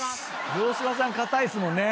城島さん硬いっすもんね。